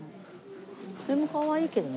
これもかわいいけどな。